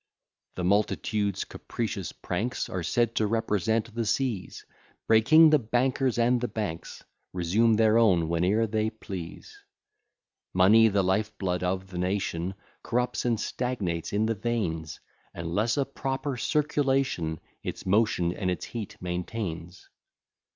The multitude's capricious pranks Are said to represent the seas, Breaking the bankers and the banks, Resume their own whene'er they please. Money, the life blood of the nation, Corrupts and stagnates in the veins, Unless a proper circulation Its motion and its heat maintains.